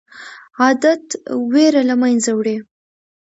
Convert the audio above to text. عادت ویره له منځه وړي.